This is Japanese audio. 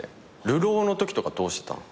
『流浪』のときとかどうしてたの？